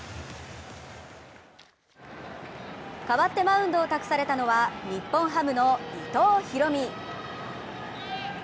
代わってマウンドを託されたのは日本ハムの伊藤大海。